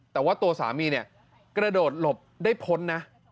แต่ว่าตัวสามีเนี่ยกระโดดหลบได้พ้นนะ